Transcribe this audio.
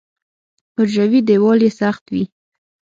حجروي دیوال یې سخت وي.